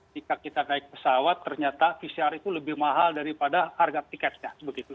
jika kita naik pesawat ternyata pcr itu lebih mahal daripada harga tiketnya begitu